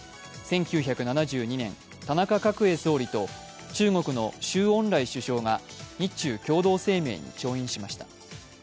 １９７２年、田中角栄総理と中国の周恩来首相が日中共同声明に調印しました。